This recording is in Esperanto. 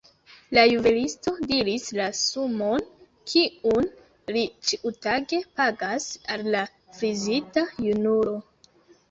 La juvelisto diris la sumon, kiun li ĉiutage pagas al la frizita junulo.